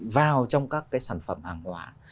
vào trong các cái sản phẩm hàng hóa